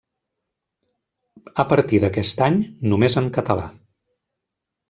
A partir d'aquest any, només en català.